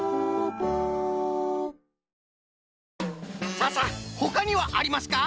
さあさあほかにはありますか？